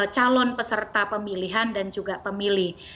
calon peserta pemilihan dan juga pemilih